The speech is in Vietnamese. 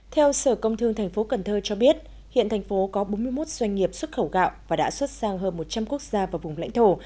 theo sở công thương tp cần thơ cho biết hiện thành phố có bốn mươi một doanh nghiệp xuất khẩu gạo và đã xuất sang hơn một trăm linh quốc gia và vùng lãnh thổ